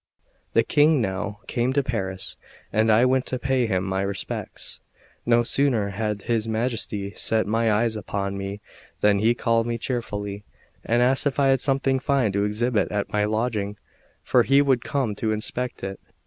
The King now came to Paris, and I went to pay him my respects. No sooner had his Majesty set eyes upon me than he called me cheerfully, and asked if I had something fine to exhibit at my lodging, for he would come to inspect it.